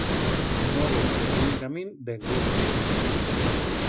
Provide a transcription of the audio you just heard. No voz per buen camín dengún.